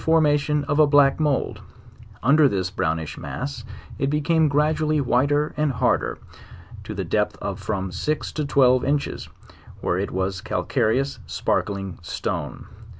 formation of a black mould; under this brownish mass it became gradually whiter and harder, to the depth of from six to twelve inches, where it was a calcare ous sparkling stone.